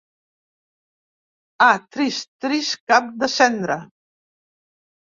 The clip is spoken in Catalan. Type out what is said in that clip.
Ah, trist, trist Clap de Cendra!